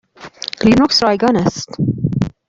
لینوکس رایگان است.